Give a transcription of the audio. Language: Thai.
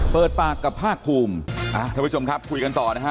เปิดปากกับภาคภูมิท่านผู้ชมครับคุยกันต่อนะฮะ